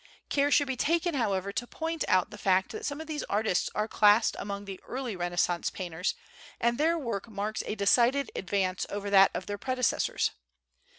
Care should be taken, however, to point out the fact that some of these artists are classed among the early Renaissance painters and their work marks a decided advance over that of their predecessors.